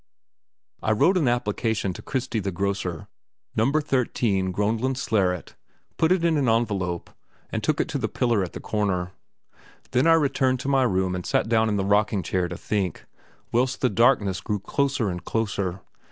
I wrote an application to Christy the grocer, No. 13 Groenlandsleret, put it in an envelope, and took it to the pillar at the corner. Then I returned to my room and sat down in the rocking chair to think, whilst the darkness grew closer and closer.